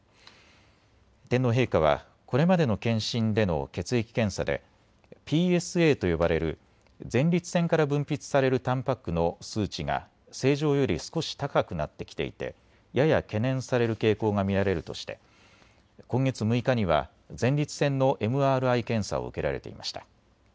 天皇陛下はこれまでの検診での血液検査でＰＳＡと呼ばれる前立腺から分泌されるたんぱくの数値が正常より少し高くなってきていてやや懸念される傾向が見られるとして今月６日には前立腺のＭＲＩ検査を受けられていました。